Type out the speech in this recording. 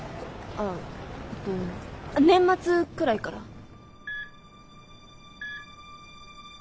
ああえっと年末くらいから。